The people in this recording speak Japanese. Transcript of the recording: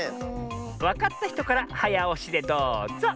わかったひとからはやおしでどうぞ！